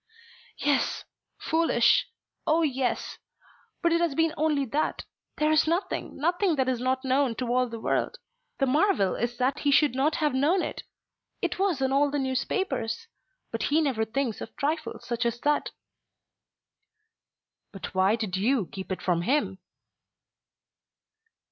Yes; foolish; oh, yes! But it has been only that. There is nothing, nothing that is not known to all the world. The marvel is that he should not have known it. It was in all the newspapers. But he never thinks of trifles such as that." "But why did you keep it from him?"